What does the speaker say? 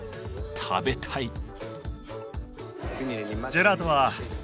食べたい！